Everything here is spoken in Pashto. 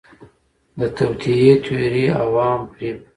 د توطئې تیوري، عوام فریب